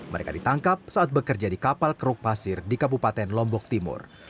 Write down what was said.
mereka ditangkap saat bekerja di kapal keruk pasir di kabupaten lombok timur